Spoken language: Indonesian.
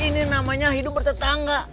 ini namanya hidup bertetangga